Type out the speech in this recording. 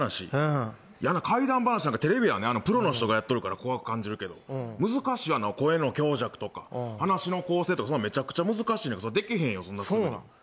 怪談話なんてテレビでプロがやってるから怖く感じるけど難しいわな、声の強弱とか話の構成とかめちゃくちゃ難しくてできへんよ、そんなすぐに。